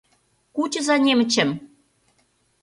Кучыза немычым!